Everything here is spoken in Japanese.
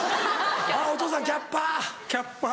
お父さんキャッパ。